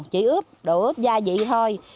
chỉ ướp đủ ướp gia vị thôi